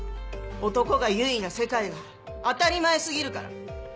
男が優位な世界が当たり前過ぎるから。